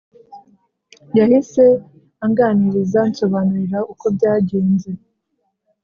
yahise anganiriza ansobanurira uko byagenze,